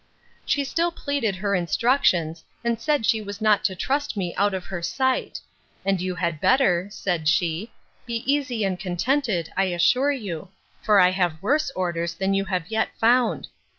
She still pleaded her instructions, and said she was not to trust me out of her sight: And you had better, said she, be easy and contented, I assure you; for I have worse orders than you have yet found.